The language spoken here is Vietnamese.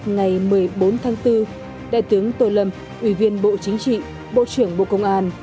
ngày một mươi bốn tháng bốn đại tướng tô lâm ủy viên bộ chính trị bộ trưởng bộ công an